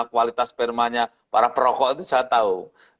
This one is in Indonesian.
kualitas spermanya para perokok itu saya tahu